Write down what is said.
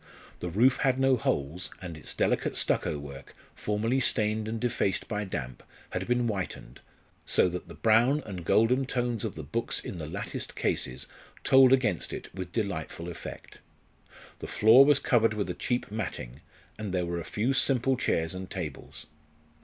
The roof had no holes, and its delicate stucco work, formerly stained and defaced by damp, had been whitened, so that the brown and golden tones of the books in the latticed cases told against it with delightful effect. The floor was covered with a cheap matting, and there were a few simple chairs and tables.